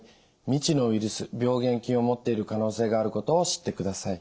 未知のウイルス病原菌を持っている可能性があることを知ってください。